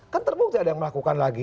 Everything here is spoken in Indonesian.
kan terbukti ada yang melakukan lagi